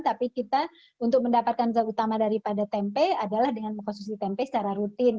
tapi kita untuk mendapatkan zat utama daripada tempe adalah dengan mengkonsumsi tempe secara rutin